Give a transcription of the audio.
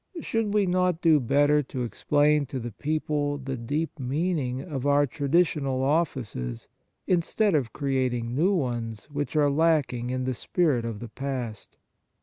Should we not do better to explain to the people the deep meaning of our tra ditional offices instead of creating new ones which are lacking in the spirit of the past